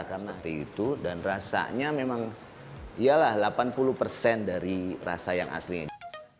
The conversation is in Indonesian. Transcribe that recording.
karena hari itu dan rasanya memang delapan puluh persen dari rasa yang aslinya